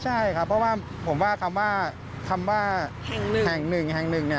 ใช่ครับเพราะว่าผมว่าคำว่าแห่งหนึ่ง